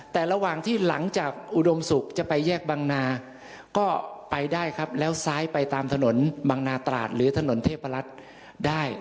แต่ระหว่างที่หลังจากอุดมศุกร์จะไปแยกบังนาก็ไปได้ครับแล้วซ้ายไปตามถนนบางนาตราดหรือถนนเทพรัฐได้